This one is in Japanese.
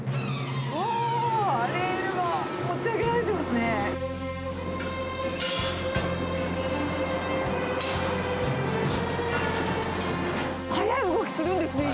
おー、レールが持ち上げられてますね。